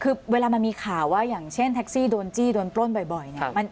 คือเวลามันมีข่าวว่าอย่างเช่นแท็กซี่โดนจี้โดนปล้นบ่อยเนี่ย